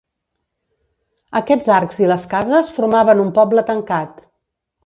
Aquests arcs i les cases formaven un poble tancat.